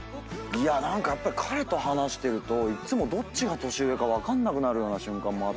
何かやっぱり彼と話してるといっつもどっちが年上か分かんなくなるような瞬間もあったりして。